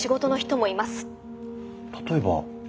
例えば？